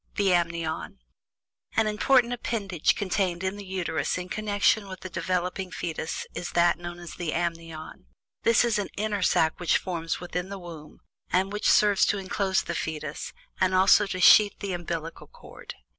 THE AMNION. An important appendage contained in the Uterus in connection with the developing fetus is that known as "The Amnion." This is an inner sack which forms within the womb, and which serves to enclose the fetus, and also to sheath the umbillical cord.